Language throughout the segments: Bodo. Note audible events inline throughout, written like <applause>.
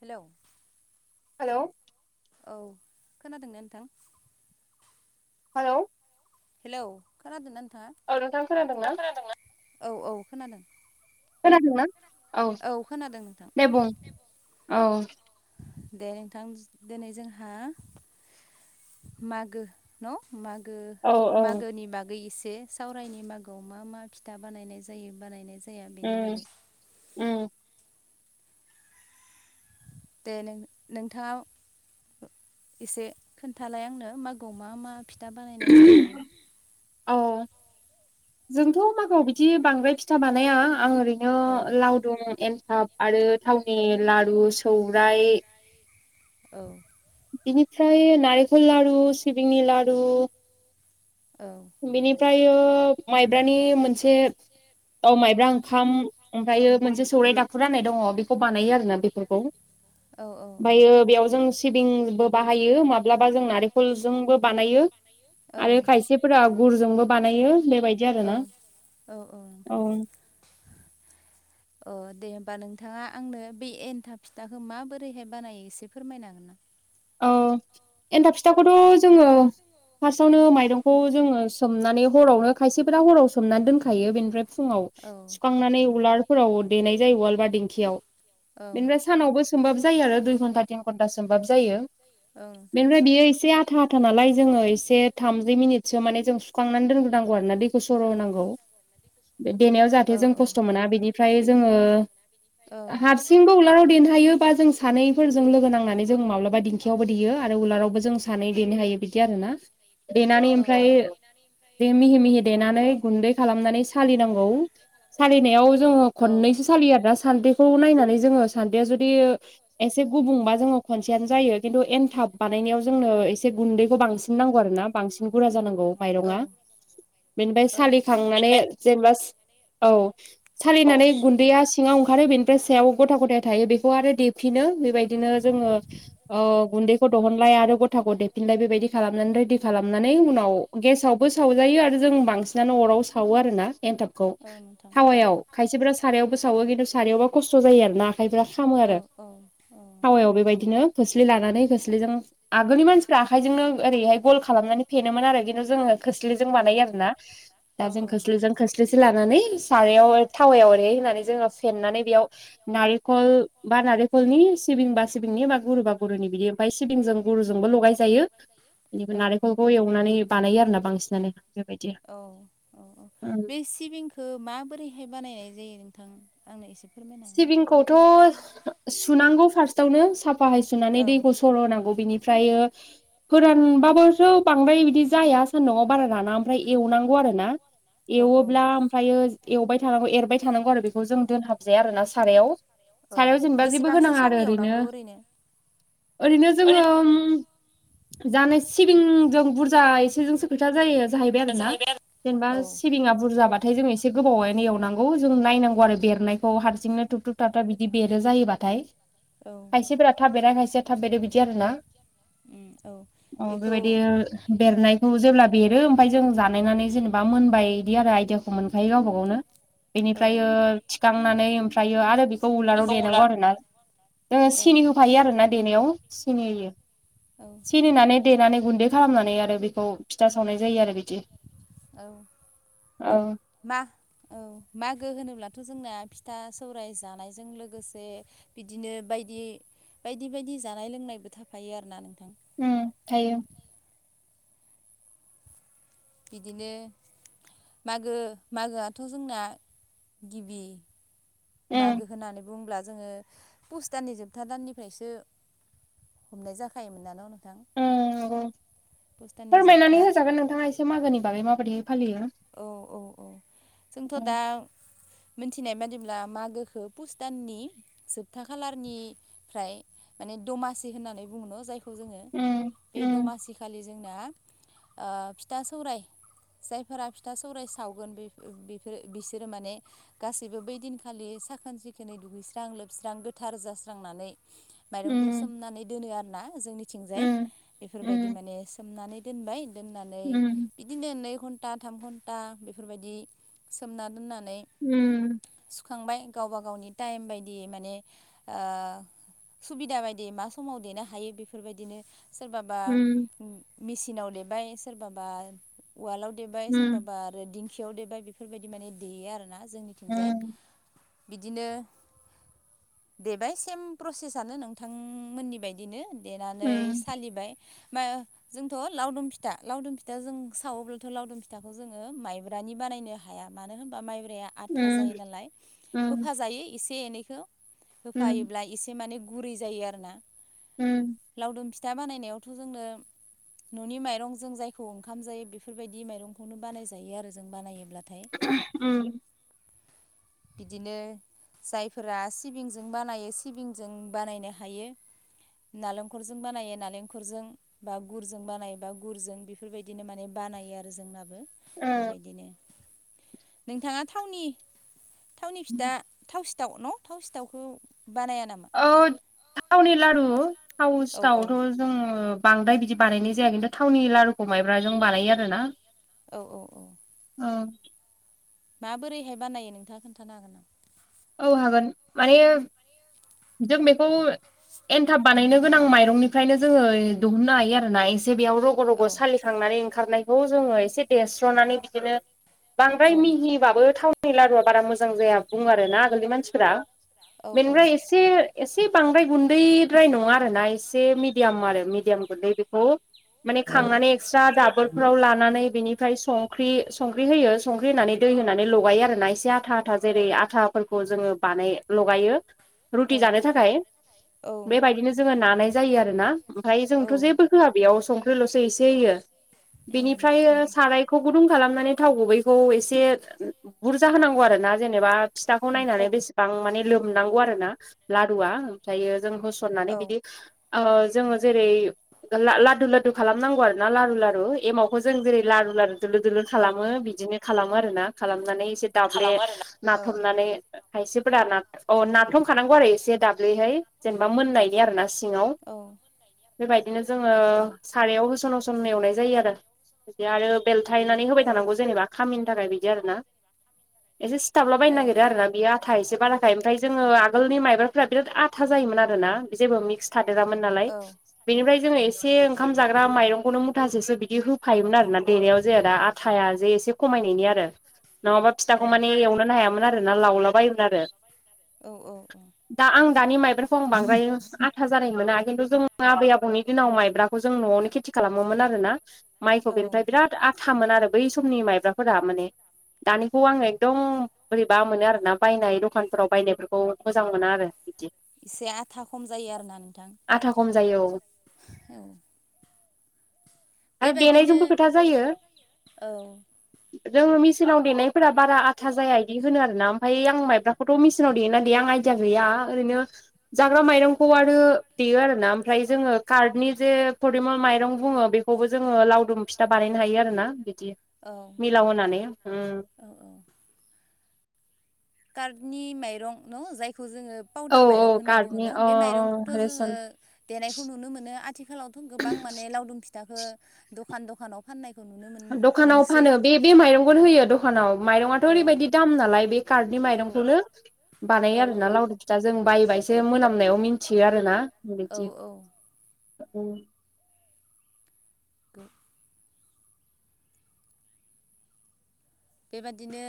हेलौ हेलौ औ खोनादों ने नोंथां? हेलौ हेलौ खोनादों ना औ नोंथां खोनादों ना औ औ खोनादों खोनादों ना औ खोनादों नोंथां औ दे नोंथां दिनै जोंहा मागो न' मागो औ औ मागोनि मागै इसे दे सावरायनि मागोआव मा मा फिथा बानायनाय जायो बानायनाय जाया बेनि उम बागै उम दे नों नोंथाङाव एसे खोनथालाय आंनो मागोआव मा मा फिथा बानायनाय जायो। औ जोंथ' मागोआव बिदि बांद्राय फिथा बानाया आं ओरै दिनो औ लावदुम, एन्थाब आरो थावनि लारु, सौराय औ इनिफ्राय नारेंखल लारु सिबिंनि लारु औ बेनिफ्राय माइब्रानि मोनसे औ माइब्रा ओंखाम ओमफ्रायो मोनसे सौराइ दाखुरा होननाय दङ बेखौ बानायो आरोना बेफोरखौ। औ औ ओमफायो बेयाव जों सिबिंबो बाहायो, माब्लाबा जों नारेंखलजोंबो बानायो। औ आरो खायसे फोरा गुरजोंबो बानायो बेबायदि आरोना। औ औ औ ओ दे होमबा नोंथाङा आंनो बे एनथाब फिथाखौ माबोरैहाय बानायो। एसे फोरमायनो हागोन ना? औ एन्थाब फिथाखौथ' जोङो फार्स्टआवनो माइरंखौ जोङो सोमनानै हरावनो खायसेफोरा हराव सोमनानै दोनखायो बेनिफ्राय फुङाव औ सुखांनानै उलार फोराव देनाय जायो वालबार दिंखियाव औ बेनिफ्राय सानावबो होमबाबो जायो आरो दुइ घन्टा तिन घन्टा सोमबाब जायो। औ नोंथां बेनिफ्राय बियो एसे आथा आथा नालाय जोङो एसे थामजि मिनिटसो माने जों सुखांनानै दोनग्रो नांगौ आरोना दैखौ सर' होनांगौ। देनायाव जाहाथे औ जों औ खस्थ' मोना। बेनिफ्राय जोङो औ हारसिंबो उलाराव देनो हायो बा जों सानैफोरजों लोगो नांनानै जों माब्लाबा दिं खियावबो देयो आरो उलारावबो जों सानै देनो हायो बिदि आरोना। देनानै औ ओमफ्राय औ दे मिहि मिहि देनानै गुन्दै खालामनानै सालिनांगौ। सालिनायाव जोङो औ खननैसो सालियो आरोना सान्द्रिखौ नायनानै जोङो सान्द्रिया जुदि एसे गुबुंबा जोङो खनसेयानो जायो। खिन्थु एनथाब बानायनायाव जोंनो एसे गुन्दैखौ बांसिन नांगौ आरो ना बांसिन गुरा जानांगौ माइरङा। बेनिफ्राय औ नोंथां सालिखांनानै जेनेबा औ सालिनानै बेनिफ्राय गुन्दैया सिङाव ओंखारो बे बे सायाव गथा गथाया थायो बेखौ आरो देफिनो, बेबायदिनो जोङो ओ गुन्दैखौ दहनलाय आरो ग गथाखौ देफिनलाय बेबायदि खालामनानै रेडि खालामनानै उनाव गेसावबो सावजायो आरो जों बांसिनानो अराव आव सावो आरोना एन्थाबखौ। औ थावायाव खायसेफोरा सारायावबो सावो खिन्थु सारायावबा खस्थ' जायो आ ना आखायफोरा खामो आरो। औ औ औ नोंथां थावायाव बेबायदिनो खोस्लि लानानै खोस्लिजों आगो नि मानसिफ्रा आखायजोंनो ओरैहाय गल खालामनानै फेनोमोन आरो, खिन्थु जोङो खोस्लिजों बानायो आरोना। दा औ जों औ खोस्लिजों खोस्लिसे लानानै सारायाव थावायाव ओरै होनानै जोङो फेेननानै बेयाव नारेंखल बा नारेंखलनि सिबिं बा सिबिंनि बा गुरु बा गुरुनि बिदि ओमफ्राय सिबिंजों गुर गुरुजोंबो लगायजायो। बेनिफ्राय औ नारेंखलखौ एवनानै बानायो आरोना बांसिनानो बेबायदि। औ औ औ बे सिबिंखो माबोरैहाय बानायनाय जायो। नोंथां आंनो एसे फोरमायनो हागोन ना सिबिंखौथ' सुनांगौ फार्स्टावनो सा फाहाय सुनानै औ दैखौ सर' होनांगौ बिनिफ्रायो फोरानबाबो थ' बांद्राय बिदि जाया सान्दुंआव बारा राना ओमफ्राय एवनांगौ आरो ना औ औ एवोब्ला ओमफ्रायो एवबाय थानांगौ एरबाय थानांगौ आरो बेखौ जों दोनहाबजाया आरोना सारायाव। औ सारायाव जेनेबा जेबो बेसेबांसो होनाङा सम आरो ओरैनो। एवनांगौ ओरैनो जोङो जानाय सिबिंजों बुरजा एसेजोंसो खोथा जायो। जाहैबाय आरोना जेनेबा आरो औ सिबिङा बुरजाबा थाय जों एसे गोबावैनो एवनांगौ जों नायनांगौ आरो बेरनाय खौ हारसिंनो थुब थुुब थाबथाब बिदि बेरो जायोबाथाय। औ खायसेफोरा थाब बेेरा खाय से थाब बेरो बिदि आरोना। उम औ ओ बेखौ बेबायदि बेरनाय खौ जेब्ला बेरो ओमफ्राय जों जानायनानै जेनेबा मोनबाय इदि आरो आइदियाखौ मोनखायो गावबा गावनो। औ बेनिफ्रायो थिखांनानै ओमफ्रायो आरो बि खौ उलाराव बेखौ देनांगौ उलार आरोना जोङो औ सिनि होफायो आरोना देनायाव सिनि होयो <unintelligible> औ सिनिनानै देनानै गुन्दै खालामनानै आरो बेखौ फिथा सावनाय जायो आरो बिदि। औ औ मा औ मागो होनोब्ला <unintelligible> जोंना फिथा सौराय जानायजों लोगोसे बिदिनो बायदि। बायदि बायदि जानाय लोंनायबो थाफायो आरोना नों। उ थायो। बिदिनो। मागो मागोआथ' जोंना गिबि। उम मागो होननानै बुंब्ला। जोङो पुस दाननि जोबथा दाननिफ्रायसो हमनाय जाखायोमोन नानो। दां <inaudible> उम नंगौ फोरमायनानै होजागोन नोंथाङा एसे मागोनि बागै माबायदि। औ औ औ जोंथ' उम दा। मिथिनाय बादिब्ला मागोखौ पुस दाननि जोबथा खालारनिफ्राय। दमासि होननानै बुङो जायखौ जोङो उम बे उम दमासिखालि। जोंना ओ फिथा सौराय जाय। फोरा फिथा सौराय सावगोन बिसोरो माने गासैबो बैदिनखालि साखोन सि। दुगैस्रां लोबस्रां गोथार जास्रांनानै। माइरंखौ उम सोमनानै दोनो आरोना जोंनिथिंजाय उम बेफोरबायदि उम माने सोमनानै। दोनबाय दोननानै उम बिदिनो नै घन्टा। थाम घन्टा बेफोरबायदि सोमना दोननानै। उम थुखांबाय गावबा गावनि टाइम बायदि माने ओ। सुबिदा बायदि मा समाव देनो हायो बेफोरबायदिनो। सोरबाबा उम मेसिनाव देबाय सोरबाबा उवालाव देबाय। उम सोरबाबा आरो दिंखियाव देबाय बेफोरबायदि माने देयो आर ना जोंनिथिंजाय। उम बिदिनो। देबाइ सेम प्रसेसनो नोंथांमोननि बायदिनो। देनानै उम सालिबाय। जोंथ' लावदुम फिथा लावदुम फिथा जों सावोब्लाथ' लावदुम फिथा। फिथाखौ जोङो माइब्रानि बानायनो हाया मानो होनबा माइब। या उम आथा जायो नालाय होफा जायो एसे एनैखौ होफायोब्ला एसे माने। गुरै जायो आरो ना उम लावदुम फि। फिथा बानायनायावथ' जोंनो न'नि माइरंजों जायखौ ओंखाम जायो बेफोरबायदि माइरंखौ। बेखौनो बानाय जायो आरो जों बानायनायोब्ला। उम <unintelligible> बिदिनो। जायफोरा सिबिंजों बानायो सिबिंजों बानायनो हायो। नालेंखरजों बानायो नालेंखरजों बा गुरजों बानायो बा गुरजों बेफोरबायदिनो माने बा। बानायो आरो जोंनाबो बेबायदिनो नोंथाङा थावनि। थावनि फिथा थाव सिथाव न' थाव सिथावखौ। बानाया नामा औ थावनि लारु औ औ थावसिथावथ' जोङो। बांद्राय बिदि बानायनाय जाया खिन्थु थावनि लारुखौ माइब्राजों बानायो आरो ना। औ औ औ। औ। माबोरैहाय बानायो नोंथाङा खोन्थानो हागोना। औ हागोन माने जों बेखौ एन्थाब। बानायनो गोनां माइरंनिफ्रायनो जोङो दिहुननो हायो आरोना एसे बेयाव रग' रग' सालिखांनानै। खारनाइखौ जोङो एसे देस्रनानै बिदिनो बांद्राइ औ मिहिबाबो जानाइ। नि लारुआ बारा मोजां जाया बुङो आरो ना आगोलनि मानसिफोरा औ बेनिफ्राय एसे। एसे बांद्राय गुन्दैद्राय नङा आरोना एसे मिडियाम आरो मिडियाम गुन्दै बेखौ माने औ खांनानै एक्सट्रा दाबोद फ्राव लानानै बिनिफ्राय संख्रि संख्रि होयो संख्रि होनानै दै होनानै लगायो आरोना एसे आथा आथा जेरै आथा फोरखौ जोङो बाने लगायो रुथि औ जानो थाखाय औ बेबायदिनो जोङो ना नाय जायो आरोना ओमफाय औ जोंथ' जेबो होआ बेयाव संख्रिल'सो एसे होयो बिनिफ्राय सारायखौ गुदुं खालामनानै थाव गुबैखौ एसे बुरजा होनांगौ आरो ना जेनेबा फिथाखौ उम नायनानै बेसेबां माने लोमनांगौ आरो ना लारुआ ओमफ्रायो जों होसननानै औ बिदि ओ जोङो जेरै गोलला लादु लादु खालामनांगौ आरो ना लारु लारु एमावखौ जों जेरै लारु लारु दोलो दोलो औ खालामो बिदिनो खालामो आरो ना खालामनानै एसे दाब्ले औ थायनानै होबाय थानांगौ जेनेबा खामिन जानाय बिदि आरो ना। नाथबनानै खायसेफोरा नाथ अ नाराथ'खानांगौ आरो एसे दाब्लिहाय जेनेबा मोननायनि आरो ना सि जोंआव बेबादिनो जोङो सारायाव होसन हस थुम एवनाय जायो आरो बे आरो बेलथायनानै होबाय थानांगौ जेनेबा खामिन थाखाय बिदि आरो ना एसे सिथाबला बायनो नागेरो आरो ना बियो आथा एसे बाराखाय ओमफ्राय जोङो आगोलनि माइबाफोरा बिराद आथा जायोमोन आरोना जेबो मिक्स थादोरामोन नालाय औ औ बेनिफ्राय जोङो एसे ओंखाम जाग्रा माइरंखौनो मुथासेसो बिदि होफायोमोन आर ना देनायाव जोया दा आटा जे एसे खमायनायनि आरो नङाबा फिथाखौ मानानि एवनो हाया ना लावलाबायोमोन आरो औ दा आं दानि माइब्राखौ आं बांद्राय आथा जानाय मोना खिन्थु जों आबै आबौनि दिनाव माइब्राखौ जों न'आवनो खेथि खालामोमोन आरोना माइखौ औ बेनिफ्राय बिराद आथ थामोन आरो बै समनि माइब्राफोरा माने दानिखौ आङो एकदम बोरैबा मोनो आरोना बायनाय दखानफोराव बायनायफोरखौ मोजां मोना आरो बिदि एसे आथा खम जायो आरो ना नोंथां ‌। आथा खम जायो औ। औ। आरो बेबायदिनो देनायजोंबो खोथा औ जों मिचिनाव देनायफोरा बारा आथा जाया बि होनो आरोना आमफ्राय आं मबखौथ' मेचनाव देा देया आं आइदिया गैया ओरैनो जाग्रा माइरंखौ ख आरो देयो आरोना ओमफ्राय जोङो कार्नि जे फदिमल माइरं बुङो बेखौबो जोङो लाव रुम फिथा बानायनो हायो आरोना बिदि औ मिलाव होनानै उम औ कारनि माइरं न जाय खु जोङो औ पाउदार माइरं औ होनना बुङो कार्डनि न अ बे माइरंखौथ' अ जोङो रेसन देनायखौ नुनो मोनो आथिालावथु गोबां माने लावदुम फिथाखौ दखान दखानाव फाननाय दखानाव फानो बे बे माइरंखौनो होयो दखानाव माइरंआथ' औ ओरैबायदि दाम नालाय बे कार्टनि माइरंखौनो बानायो औ आरोना लावरि फिथा जों बायोबा एसे मोनामनायाव मिथियो आरो ना ‌। औ औ। उम। <unintelligible> बेबादिनो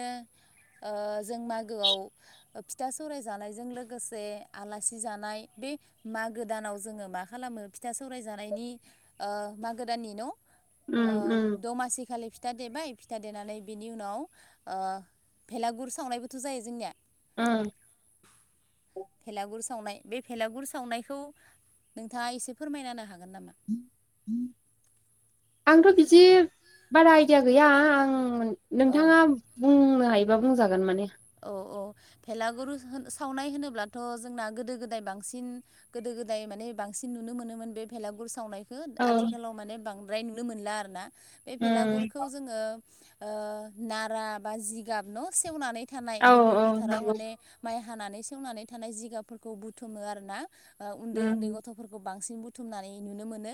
ओ जों मागोआव फिथा सौराय जानायजों लोगोसे आलासि जानाय बे बि मागो दानाव जोङो मा खालामो फिथा सौराय जानायनि ओ मागो दाननि न' ओ उम उम दमासि खालि फिथा देबाय फिथा देनानै बि इ उनाव भेलागुर सावनायबोथ' जायो जोंनिया उम भेलागुर सावनाय बे भेलागुर सावनायखौ नोंथाङा एसे फोरमायनानो हाग हागोन नामा? आंथ' बिदि बारा आइदिया गैया आं औ नोंथाङा बुं नो हायोबा बुंजागोन माने अ अ भेलागुरु सावनाय होनोब्लाथ' जोंना गोदो गोदाय बांसिन गोदो गोदाय बे बांसिन नुनो मोनोमोन बे भेलागुर सावनाय औ आथिखालाव माने बांद्राय नुनो मोनला आरोना बे उम भेलागुरखौ जोङो ओ नारा बा जिगाब न' सेवनानै थानाय औ दुब्लि औ फोथाराव नंगौ माने माइ थानानै सेवनानै थानाय जिगाफोरखौ बुथुमो आरोना उन्दै उन्दै उम गथ'फोरखौ बांसिन बांसिन बुथुमनानै नुनो मोनो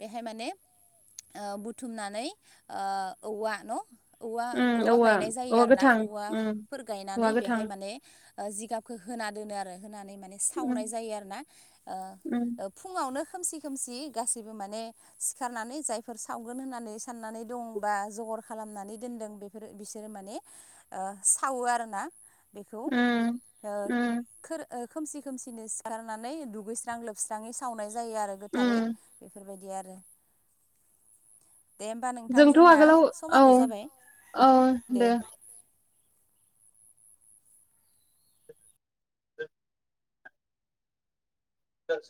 बेहाय माने ओ बुथुमनानै ओ औवा न' औवा उम औवा गायनाय जायो औवा आरो ना गोथां औवा उम फोर औवा गायनानै गोथां बेहाय माने जिगाबखौ होना दोनो आरो। होनानै माने उम सावनाय जायो आरो ना उम फुङावनो खोमसि खोमसि गाससिबो माने सिखारनानै जायफोर सावगोन होननानै साननानै दंबा ज खालामनानै दोनदों बेफोर बिसोरो माने सावो आरोना। बेखौ उम ओ उम थोर ओ खोमसि खोमसिनो सिखारनानै दुगैस्रां लोबस्राङै सावनाय जायो आरो उम गोथारै बेफोरबायदि आरो। दे होमबा नोंथां जोंथ' जोंना आगोलाव औव समाबो जाबाय औव दे दं।